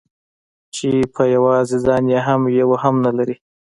چې په يوازې ځان يې يو هم نه لري.